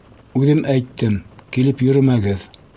Үҙем әйттем: килеп йөрөмәгеҙ!